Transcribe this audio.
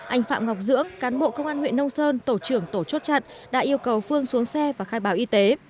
anh phạm ngọc dưỡng cán bộ công an huyện nông sơn tổ trưởng tổ chốt chặn đã yêu cầu phương xuống xe và khai báo y tế